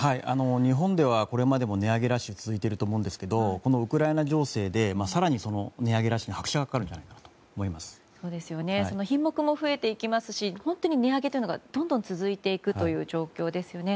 日本ではこれまでも値上げラッシュ続いていると思うんですけどウクライナ情勢で品目も増えていきますし本当に値上げというのがどんどん続いていく状況ですよね。